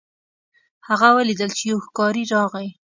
هغه ولیدل چې یو ښکاري راغی.